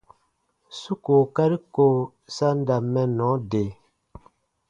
Su kookari ko sa n da mɛnnɔ de.